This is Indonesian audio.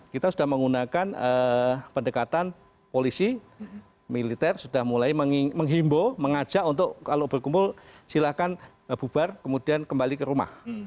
kita sudah menggunakan pendekatan polisi militer sudah mulai menghimbau mengajak untuk kalau berkumpul silahkan bubar kemudian kembali ke rumah